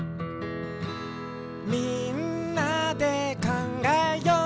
「みんなでかんがえよう」